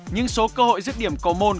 nhưng số cơ hội giết điểm cầu môn